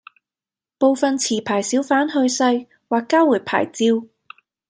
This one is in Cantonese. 部分持牌小販去世或交回牌照